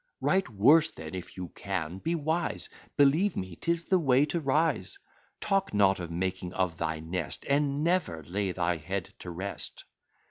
Write worse, then, if you can be wise Believe me, 'tis the way to rise. Talk not of making of thy nest: Ah! never lay thy head to rest!